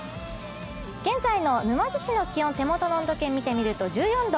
現在の沼津市の気温、手元の温度計で見てみると１４度。